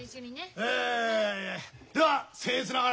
えではせん越ながら。